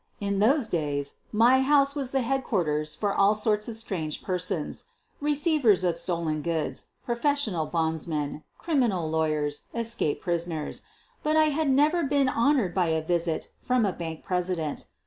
In those days my house was the headquarters for all sorts of strange persons — receivers of stolen goods, professional bondsmen, criminal lawyers, escaped prisoners — but I had never before been honored by a visit from a bank president.